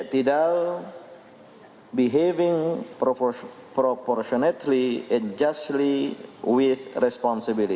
iktidal berperang secara berpengaruh dan justi dengan tanggung jawab